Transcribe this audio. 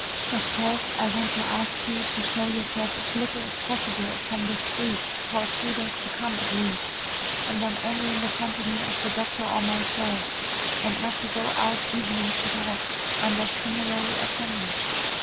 "But first, I want to ask you to show yourself as little as possible upon the streets, for a few days to come at least, and then only in the company of the doctor or myself, and not to go out evenings at all unless similarly attended.